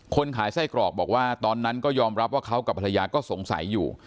คนขายไส้กรอกบอกว่าตอนนั้นก็ยอมรับว่าเขากับภรรยาก็สงสัยอยู่